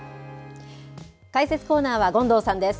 解説コーナーは権藤さんです。